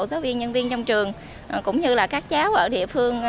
giáo viên nhân viên trong trường cũng như là các cháu ở địa phương